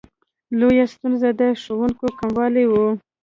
لویه ستونزه د ښوونکو کموالی و.